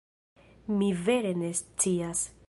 Mi vere ne scias.